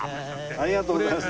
ありがとうございます。